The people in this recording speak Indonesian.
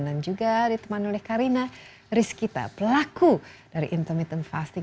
dan juga diteman oleh karina rizkita pelaku dari intermittent fasting